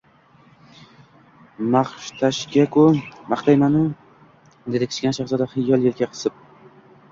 — Maqtashga-ku maqtayman-a, — dedi Kichkina shahzoda xiyyol yelka qisib